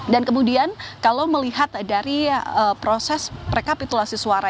dan kemudian kalau melihat dari proses rekapitulasi suara